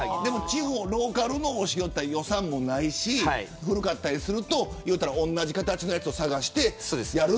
地方、ローカルのお城は予算もないし古かったりすると同じ形のやつを探してやる。